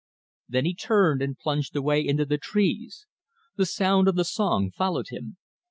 Then he turned and plunged away into the trees. The sound of the song followed him.